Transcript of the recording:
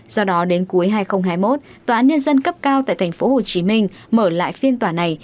do đó đến cuối hai nghìn hai mươi một tòa án nhân dân cấp cao tại tp hcm mở lại phiên tòa này